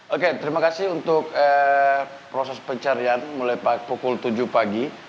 oke terima kasih untuk proses pencarian mulai pukul tujuh pagi